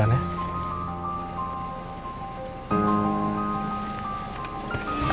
siapa yang tengok disini